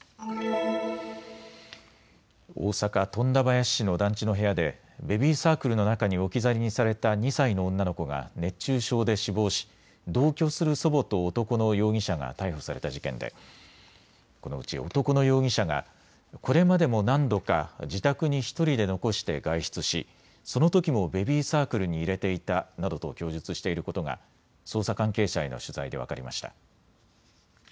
大阪富田林市の団地の部屋でベビーサークルの中に置き去りにされた２歳の女の子が熱中症で死亡し同居する祖母と男の容疑者が逮捕された事件でこのうち男の容疑者がこれまでも何度か自宅に１人で残して外出し、そのときもベビーサークルに入れていたなどと供述していることが捜査関係者への取材で分かりました。